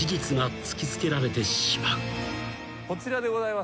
こちらでございます。